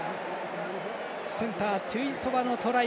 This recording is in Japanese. センターテュイソバのトライ。